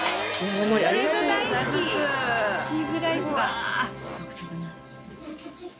これぞ大好きチーズライスだ。